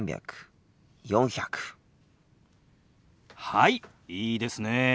はいいいですねえ。